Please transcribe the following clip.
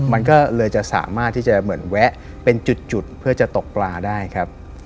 มันก็เลยจะสามารถที่จะเหมือนแวะเป็นจุดเพื่อจะตกปลาได้ครับ